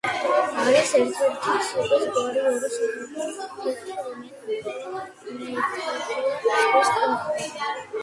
არის ერთ-ერთი ციყვის გვარის ორი სახეობიდან ერთ-ერთი, რომელიც გვხვდება ხმელთაშუა ზღვის კუნძულებზე.